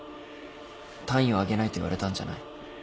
単位をあげないと言われたんじゃない？